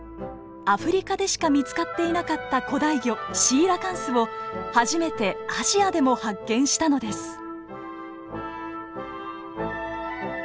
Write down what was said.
アフリカでしか見つかっていなかった古代魚シーラカンスを初めてアジアでも発見したのです。